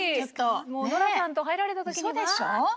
もうノラさんと入られた時にわっと。